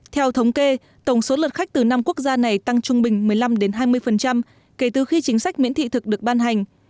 theo thống kê tổng số lượt khách từ năm quốc gia này tăng trung bình một mươi năm hai mươi kể từ khi chính sách miễn thị thực được ban hành